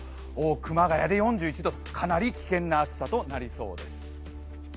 熊谷で４１度とかなり危険な暑さとなりそうです。